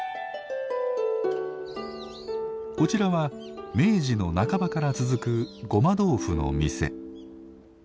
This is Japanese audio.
こちらは明治の半ばから続くごま豆腐の店。